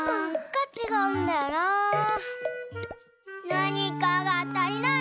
なにかがたりない！